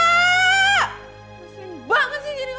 rasain banget sih jadi orang